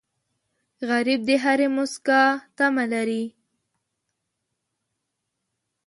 غریب د هرې موسکا تمه لري